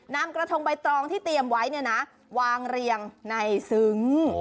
นำกระทงใบตรองที่เตรียมไว้เนี่ยนะวางเรียงในซึ้ง